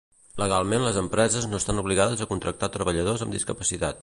Legalment les empreses no estan obligades a contractar treballadors amb discapacitat.